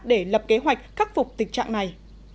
để lập kế hoạch khắc phục tình trạng này